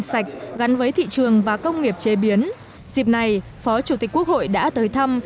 sạch gắn với thị trường và công nghiệp chế biến dịp này phó chủ tịch quốc hội đã tới thăm